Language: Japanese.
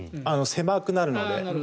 狭くなるので。